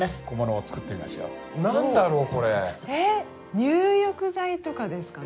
入浴剤とかですかね？